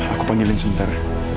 aku panggilin sebentar